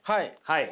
はい。